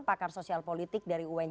pakar sosial politik dari un